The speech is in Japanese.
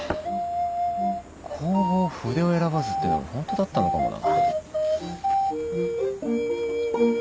「弘法筆を選ばず」ってのもホントだったのかもな。